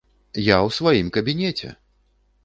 Я ў сваім кабінеце!